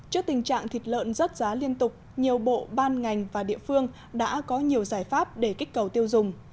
trước tình trạng thịt lợn rớt giá liên tục nhiều bộ ban ngành và địa phương đã có nhiều giải pháp để kích cầu tiêu dùng